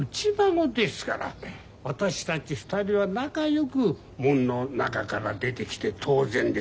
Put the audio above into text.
私たち２人は仲よく門の中から出てきて当然です。